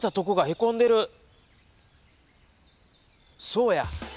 そうや。